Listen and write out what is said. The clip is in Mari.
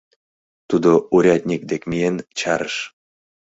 Тудо урядник дек миен чарыш.